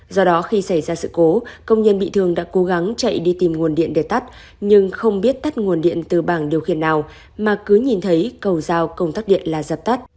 do đó khi xảy ra sự cố công nhân bị thương đã cố gắng chạy đi tìm nguồn điện để tắt nhưng không biết tắt nguồn điện từ bảng điều khiển nào mà cứ nhìn thấy cầu giao công tác điện là dập tắt